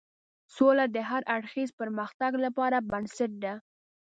سوله د هر اړخیز پرمختګ لپاره بنسټ ده.